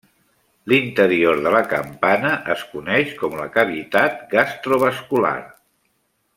L'interior de la campana es coneix com la cavitat gastrovascular.